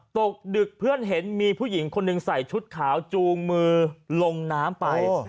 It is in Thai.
ตกดึกเพื่อนเห็นมีผู้หญิงคนหนึ่งใส่ชุดขาวจูงมือลงน้ำไป